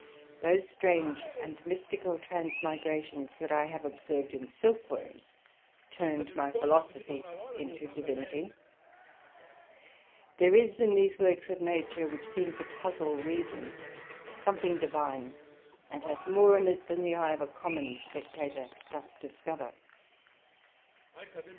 Those strange and mystical transmigrations that I have observed in Silk worms, turned my Philosophy into Divinity. There is in these works of nature, which seem to puzzle reason, something Divine, and hath more in it then the eye of a common spectator doth discover.